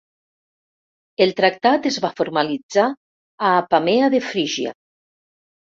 El tractat es va formalitzar a Apamea de Frígia.